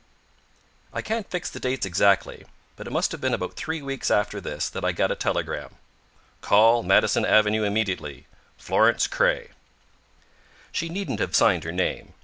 I can't fix the dates exactly, but it must have been about three weeks after this that I got a telegram: "Call Madison Avenue immediately Florence Craye." She needn't have signed her name.